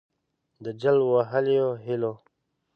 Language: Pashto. د جل وهلیو هِیلو